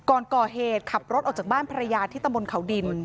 ออกจากบ้านพระยาทิตย์ตะมนต์เขาดิน